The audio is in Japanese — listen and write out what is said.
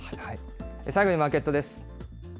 最後にマーケットです。